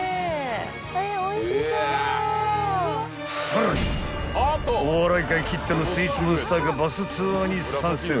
［さらにお笑い界きってのスイーツモンスターがバスツアーに参戦］